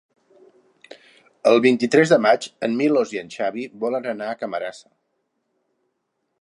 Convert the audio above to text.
El vint-i-tres de maig en Milos i en Xavi volen anar a Camarasa.